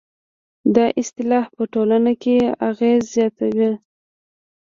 دا اصطلاح په ټولنه کې اغېز زیات و.